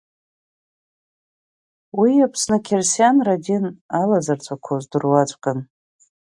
Уи Аԥсны ақьырсианра дин алазырҵәақәоз дыруаӡәкын.